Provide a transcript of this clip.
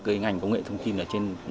cái ngành công nghệ thông tin ở trên